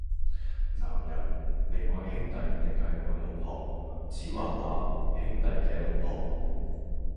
男人，你愛兄弟定系愛老婆?子華話：兄弟嘅老婆!